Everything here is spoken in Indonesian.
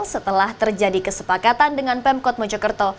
setelah terjadi kesepakatan dengan pemkot mojokerto